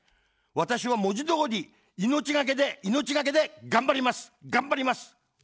私は文字どおり、命懸けで、命懸けで、頑張ります、頑張ります。